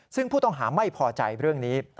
ซึ่งผู้ต้องหาไม่พอใจเรื่องนี้